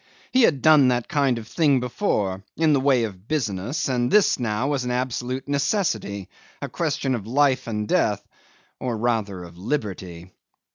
He had done that kind of thing before in the way of business; and this now was an absolute necessity, a question of life and death or rather of liberty.